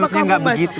maksudnya gak begitu